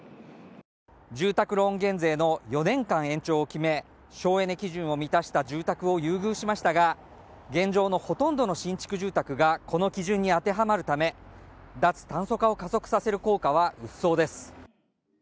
住宅ローン減税の４年間延長を決め省エネ基準を満たした住宅を優遇しましたが現場のほとんどの新築住宅がこの基準に当てはまるため脱炭素化を加速させる効果は薄そうです